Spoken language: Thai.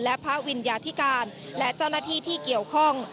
และพระวิญญาธิการและเจ้าหน้าที่ที่เกี่ยวข้อง